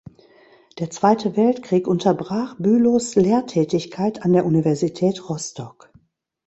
Der Zweite Weltkrieg unterbrach Bülows Lehrtätigkeit an der Universität Rostock.